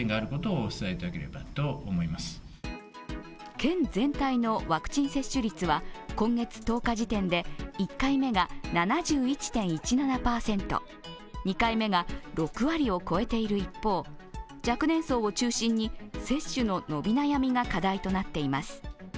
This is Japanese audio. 県全体のワクチン接種率は今月１０日時点で１回目が７１．１７％２回目が６割を超えている一方、若年層を中心に接種の伸び悩みが課題となっています。